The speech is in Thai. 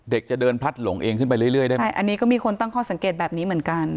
จะเดินพลัดหลงเองขึ้นไปเรื่อยได้ไหมใช่อันนี้ก็มีคนตั้งข้อสังเกตแบบนี้เหมือนกัน